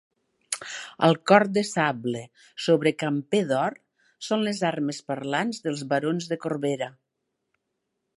El corb de sable sobre camper d'or són les armes parlants dels barons de Corbera.